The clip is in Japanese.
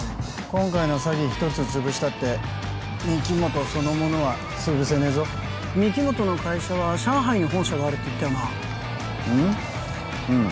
今回の詐欺一つ潰したって御木本そのものは潰せねえぞ御木本の会社は上海に本社があるって言ったよなうん？